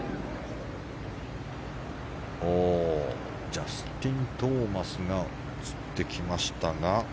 ジャスティン・トーマスが映ってきましたが。